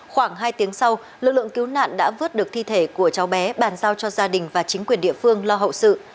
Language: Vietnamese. khoảng hai tiếng sau lực lượng cứu nạn đã vớt được thi thể của cháu bé bàn giao cho gia đình và chính quyền địa phương lo hậu sự